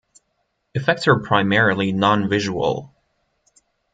Effects are primarily non-visual.